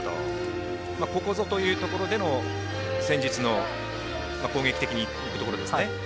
ここぞというところでの戦術の攻撃的にいくというところですね。